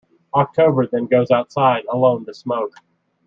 October then goes outside alone to smoke.